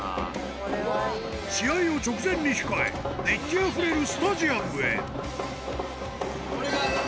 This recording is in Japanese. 試合を直前に控え、熱気あふれるスタジアムへ。